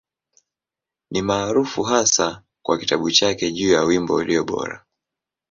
Ni maarufu hasa kwa kitabu chake juu ya Wimbo Ulio Bora.